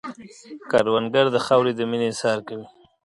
کروندګر د خاورې د مینې اظهار کوي